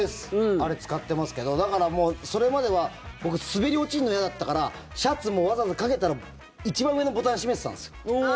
あれ使ってますけどだからそれまでは僕、滑り落ちるの嫌だったからシャツもわざわざかけたら一番上のボタン閉めてたんです。